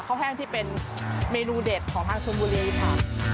ข้าวแห้งที่เป็นเมนูเด็ดของห้างชมบูเรย์ค่ะ